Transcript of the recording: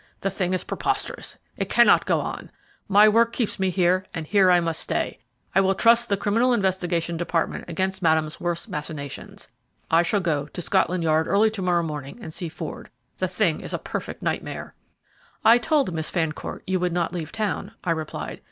The thing is preposterous; it cannot go on. My work keeps me here, and here I must stay. I will trust the Criminal Investigation Department against Madame's worst machinations. I shall go to Scotland Yard early to morrow and see Ford. The thing is a perfect nightmare." "I told Miss Fancourt you would not leave town," I replied.